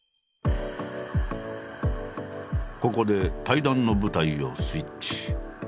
ここで対談の舞台をスイッチ。